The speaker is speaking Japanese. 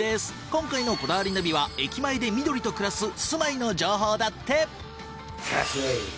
今回の『こだわりナビ』は駅前で緑と暮らす住まいの情報だって。